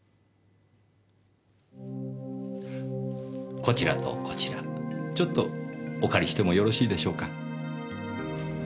こちらとこちらちょっとお借りしてもよろしいでしょうか？